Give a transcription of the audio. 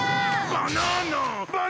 バナナ！